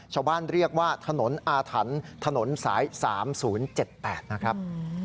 ชาวบ้านเรียกว่าถนนอาถรรพ์ถนนสาย๓๐๗๘นะครับ